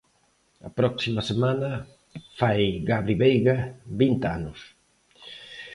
A próxima semana fai Gabri Veiga vinte anos.